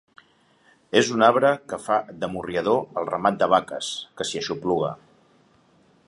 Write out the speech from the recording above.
És un arbre que fa d'amorriador al ramat de vaques, que s'hi aixopluga.